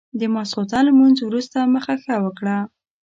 د ماسخوتن لمونځ وروسته مخه ښه وکړه.